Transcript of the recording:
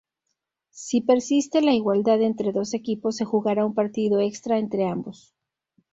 Si persiste la igualdad entre dos equipos se jugara un partido extra entre ambos.